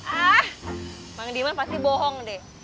ah adiman pasti bohong deh